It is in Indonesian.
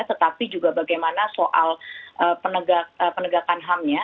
tetapi juga bagaimana soal penegakan ham nya